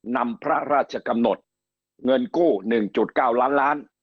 นำพระราชกำหนดเงินกู้๑๙ล้านล้าน